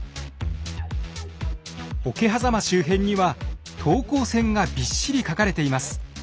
桶狭間周辺には等高線がびっしり描かれています。